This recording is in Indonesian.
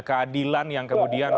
keadilan yang kemudian